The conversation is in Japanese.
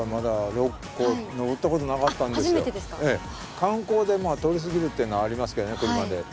観光で通り過ぎるっていうのはありますけどね車で。